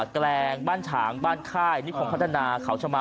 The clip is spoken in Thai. แกลงบ้านฉางบ้านค่ายนิคมพัฒนาเขาชะมา